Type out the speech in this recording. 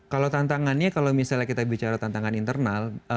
kalau tantangannya kalau misalnya kita bicara tantangan internal